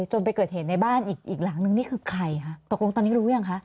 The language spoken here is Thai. จนไปเกิดเหตุในบ้านอีกอีกหลังนึงนี่คือใครคะตกลงตอนนี้รู้ยังคะ